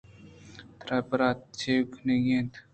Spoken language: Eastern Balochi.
تئی برات چے کنگ ءَ اَنت؟